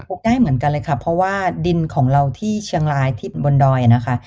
ได้เหมือนกันเลยค่ะเพราะว่าดินของเราที่เชียงรายที่บนดอยนะคะ